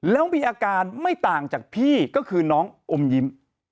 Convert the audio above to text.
แล้วมีอาการไม่ต่างจากพี่ก็คือน้องอมยิ้ม